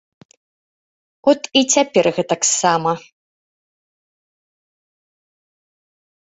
От і цяпер гэтаксама.